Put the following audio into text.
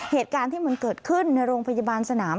เหตุการณ์ที่มันเกิดขึ้นในโรงพยาบาลสนาม